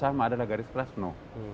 itu adalah semuanya sama